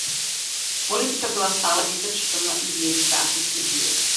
Politika byla stále více přítomná i v jejích básnických dílech.